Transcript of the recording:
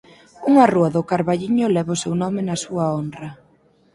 Unha rúa do Carballiño leva o seu nome na súa honra.